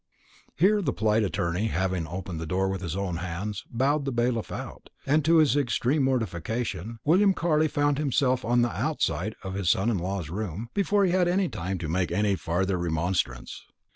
And here the polite attorney, having opened the door with his own hands, bowed the bailiff out; and, to his extreme mortification, William Carley found himself on the outside of his son in law's room, before he had time to make any farther remonstrance.